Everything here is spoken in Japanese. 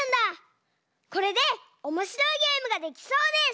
これでおもしろいゲームができそうです！